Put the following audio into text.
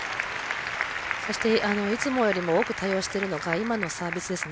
そして、いつもより多く対応しているのが今のサービスですね。